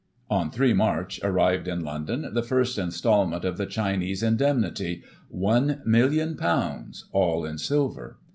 On 3 March arrived, in London, the first instalment of the Chinese indemnity —^;£" 1,000,000, all in silver.